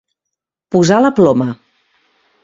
Posar la ploma.